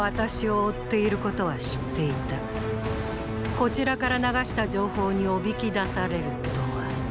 こちらから流した情報におびき出されるとは。